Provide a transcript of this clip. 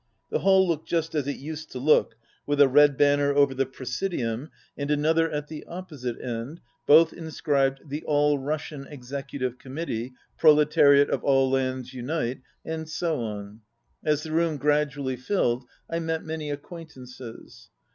The hall looked just as it used to look, with a red banner over the prsesidium and another at the opposite end, both inscribed "The All Russian Executive Commit tee," "Proletariat of all lands, unite," and so on. As the room gradually filled, I met many acquaint ances.